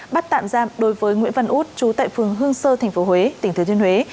bắt tạm giam đối với nguyễn văn út trú tại phường hương sơ tp huế tỉnh thứa thiên huế